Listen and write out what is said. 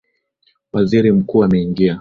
Waziri mkuu ameingia